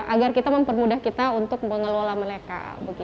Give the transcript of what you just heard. agar kita mempermudah kita untuk mengelola mereka